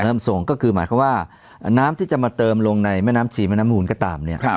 เริ่มส่งก็คือหมายความว่าน้ำที่จะมาเติมลงในแม่น้ำศรีแม่น้ำมูลก็ตามเนี่ย